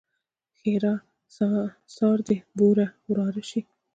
ښېرا؛ سار دې بوره وراره شي!